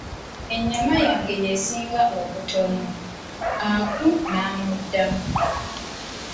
Ennyama yange y'esinga obutono, Aku n'amudamu.